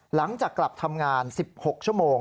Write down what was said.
หลังจากกลับทำงาน๑๖ชั่วโมง